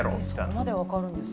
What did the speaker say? そこまでわかるんですか？